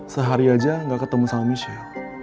sehari aja nggak ketemu sama michelle